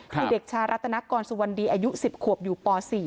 คือเด็กชารัตนกรสุวรรณดีอายุ๑๐ขวบอยู่ป๔